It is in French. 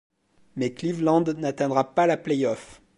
Mais Cleveland n'atteindra pas la Playoffs.